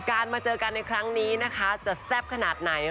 มาเจอกันในครั้งนี้นะคะจะแซ่บขนาดไหน